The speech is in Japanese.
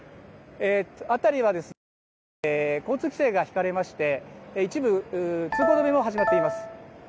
辺りは交通規制が引かれまして一部、通行止めも始まっています。